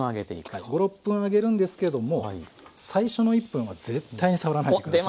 はい５６分揚げるんですけども最初の１分は絶対に触らないで下さいね。